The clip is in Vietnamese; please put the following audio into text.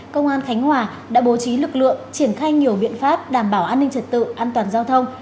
công an khánh hòa đã bố trí lực lượng triển khai nhiều biện pháp đảm bảo an ninh trật tự an toàn giao thông